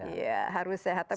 iya harus sehat